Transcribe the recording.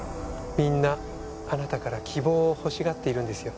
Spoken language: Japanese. みんなあなたから希望を欲しがっているんですよ。